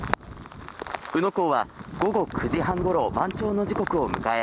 宇野港は午後９時半ごろ満潮の時刻を迎え